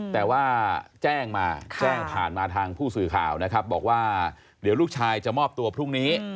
แต่ว่าแจ้งมาแจ้งผ่านมาทางผู้สื่อข่าวนะครับบอกว่าเดี๋ยวลูกชายจะมอบตัวพรุ่งนี้